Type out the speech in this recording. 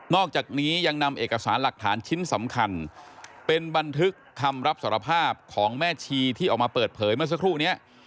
อกจากนี้ยังนำเอกสารหลักฐานชิ้นสำคัญเป็นบันทึกคำรับสารภาพของแม่ชีที่ออกมาเปิดเผยเมื่อสักครู่นี้